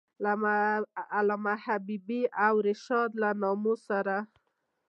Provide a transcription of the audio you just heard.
د علامه حبیبي او رشاد له نامو سره.